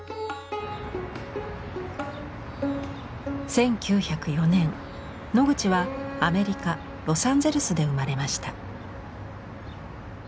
１９０４年ノグチはアメリカ・ロサンゼルスで生まれました。